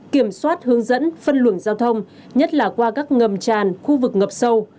bốn kiểm soát hướng dẫn phân luận giao thông nhất là qua các ngầm tràn khu vực ngập sâu